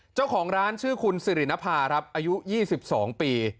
เจ้าของร้านชื่อคุณสิรินภาครับอายุ๒๒ปี